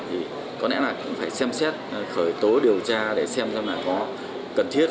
thì có lẽ là cũng phải xem xét khởi tố điều tra để xem xem là có cần thiết